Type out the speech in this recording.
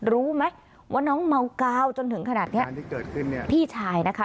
รู้ไหมว่าน้องเมากาวจนถึงขนาดเนี้ยอันที่เกิดขึ้นเนี่ยพี่ชายนะคะ